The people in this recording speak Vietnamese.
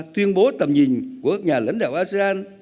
tuyên bố tầm nhìn của nhà lãnh đạo asean